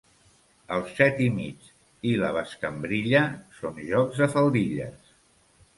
El set i mig i la bescambrilla són jocs de faldilles.